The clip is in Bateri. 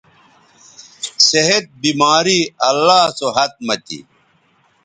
صحت، بیماری اللہ سو ھت مہ تھی